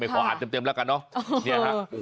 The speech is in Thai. ขออ่านเต็มแล้วกันเนอะ